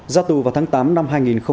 giao tù vào tháng tám năm hai nghìn hai mươi